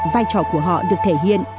vai trò của họ được thể hiện